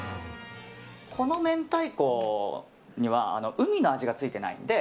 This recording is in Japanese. この明太子には海の味がついてないので